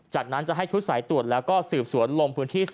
จากนั้นจะให้ทุกษัยตรวจแล้วก็สิบสวนลงพื้นที่สอบสวน